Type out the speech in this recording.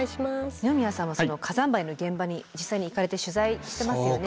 二宮さんは火山灰の現場に実際に行かれて取材してますよね。